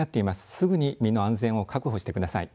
すぐに身の安全を確保してください。